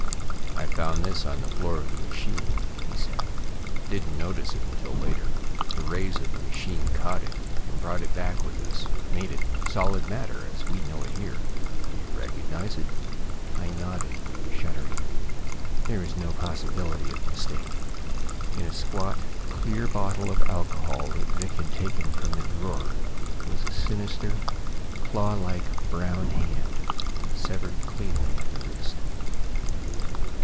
"I found this on the floor of the machine," he said. "Didn't notice it until later. The rays of the machine caught it and brought it back with us; made it solid matter, as we know it here. Do you recognize it?" I nodded, shuddering. There was no possibility of mistake. In a squat, clear bottle of alcohol that Vic had taken from the drawer was a sinister, claw like brown hand, severed cleanly at the wrist.